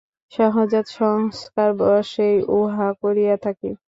সহজাত সংস্কারবশেই উহা করিয়া থাকি।